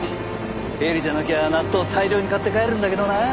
ヘリじゃなきゃ納豆大量に買って帰るんだけどな。